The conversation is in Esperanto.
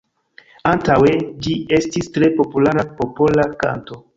Antaŭe ĝi estis tre populara popola kanto.